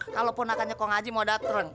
kalo ponak anaknya pak ngaji mau dateng